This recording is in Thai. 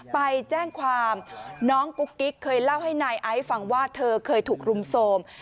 ไปแจ้งความน้องกุ๊กกิ๊กเคยเล่าให้นายไอซ์ฟังว่าเธอเคยถูกรุมโทรม